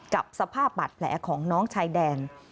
กับสภาพบาดแผลของน้องชายแดน